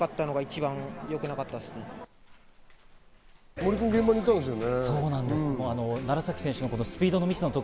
森君、現場に行ったんですよね。